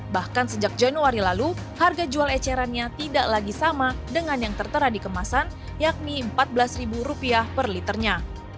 bahkan sejak januari lalu harga jual ecerannya tidak lagi sama dengan yang tertera di kemasan yakni rp empat belas per liternya